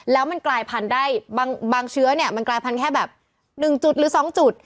แล้วมันกลายพันธุ์ได้บางเชื้อเนี่ยมันกลายพันธุ์แค่แบบ๑จุดหรือ๒จุด